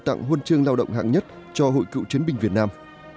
giúp trường lao động hạng nhất cho hội cựu chiến binh việt nam